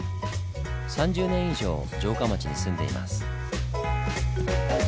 ３０年以上城下町に住んでいます。